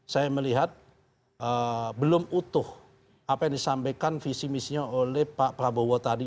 saya melihat belum utuh apa yang disampaikan visi misinya oleh pak prabowo tadi